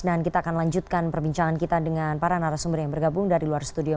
dan kita akan lanjutkan perbincangan kita dengan para narasumber yang bergabung dari luar studio